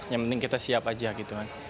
yang penting kita siap aja gitu kan